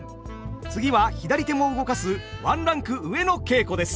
次は左手も動かすワンランク上の稽古です。